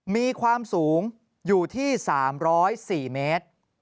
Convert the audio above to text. มีความสูงอยู่ที่๓๐๔เมตร